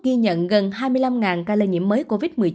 ghi nhận gần hai mươi năm ca lây nhiễm mới covid một mươi chín